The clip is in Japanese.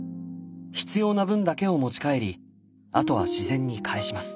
必要な分だけを持ち帰りあとは自然にかえします。